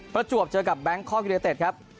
ภรรจวบเจอกับแบงคกยูนิเต็ต